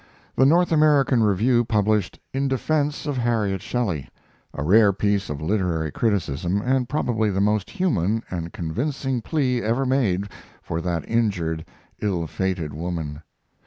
the 'North American Review' published "In Defense of Harriet Shelley," a rare piece of literary criticism and probably the most human and convincing plea ever made for that injured, ill fated woman.